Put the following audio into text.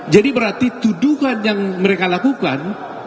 jadi berarti tuduhan yang mereka lakukan